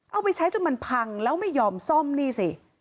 เอาไปใช้จนมันพังแล้วไม่ยอมซ่อมนี่สิ